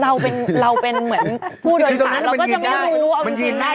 เราก็จะไม่รู้เอาเป็นจริงนะที่ตรงนั้นมันยืนได้